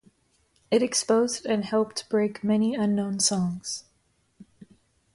It exposed and helped break many unknown songs.